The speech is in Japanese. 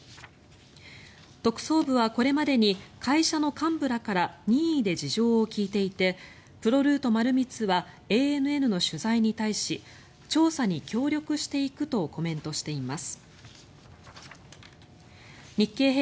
特捜部はこれまでに会社の幹部らから任意で事情を聴いていてプロルート丸光はＡＮＮの取材に対し調査に協力していくとコメントしています。